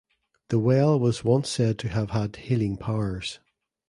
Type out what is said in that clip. The well was once said to have had healing powers.